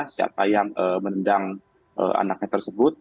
siapa yang menendang anaknya tersebut